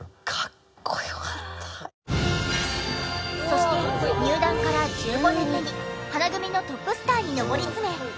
そして入団から１５年目に花組のトップスターに上り詰め